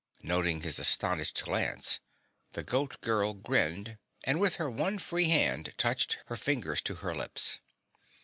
Noting his astonished glance, the Goat Girl grinned and with her one free hand touched her fingers to her lips.